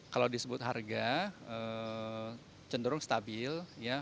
kalau disebut harga cenderung stabil vngak "